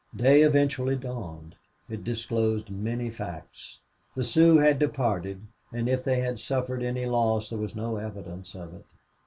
Day eventually dawned. It disclosed many facts. The Sioux had departed, and if they had suffered any loss there was no evidence of it.